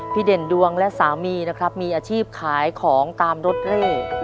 พี่เด่นดวงและสามีมีอาชีพขายของตามรถเรท